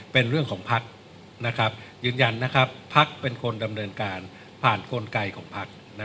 เป็นเรื่องของภักดิ์ยืนยันนะครับภักดิ์เป็นคนดำเนินการผ่านกลไกของพัก